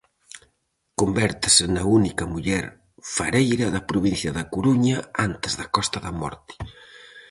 Convértese na única muller fareira da provincia da Coruña, antes da Costa da Morte.